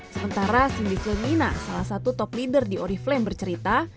sementara sindikel mina salah satu top leader di oriflame bercerita